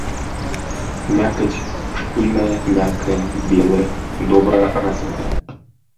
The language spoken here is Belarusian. Мякаць шчыльная, мяккая, белая, добра развітая.